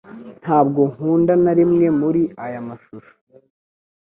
Ntabwo nkunda na rimwe muri aya mashusho